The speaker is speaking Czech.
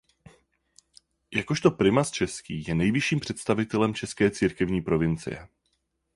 Jakožto "primas český" je nejvyšším představitelem české církevní provincie.